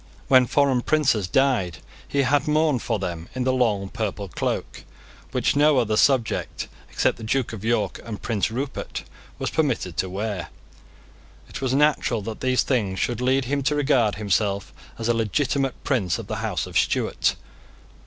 When foreign princes died, he had mourned for them in the long purple cloak, which no other subject, except the Duke of York and Prince Rupert, was permitted to wear. It was natural that these things should lead him to regard himself as a legitimate prince of the House of Stuart.